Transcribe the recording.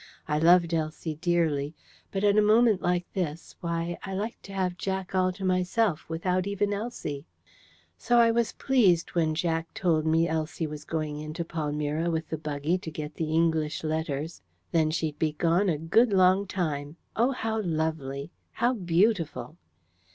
I loved Elsie dearly; but at a moment like this, why, I liked to have Jack all to myself without even Elsie. So I was pleased when Jack told me Elsie was going into Palmyra with the buggy to get the English letters. Then she'd be gone a good long time! Oh, how lovely! How beautiful!